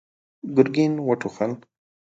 ګرګين وټوخل.